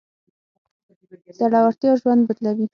زړورتيا ژوند بدلوي.